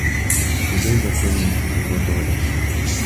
Куди закинула його доля?